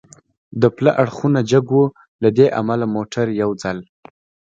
د پله اړخونه جګ و، له دې امله موټر یو ځل.